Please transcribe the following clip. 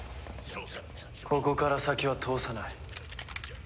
ここから先は通さない。